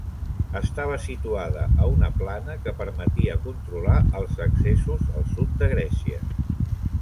Estava situada a una plana que permetia controlar els accessos al sud de Grècia.